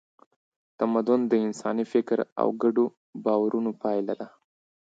تمدن د انساني فکر او ګډو باورونو پایله ده.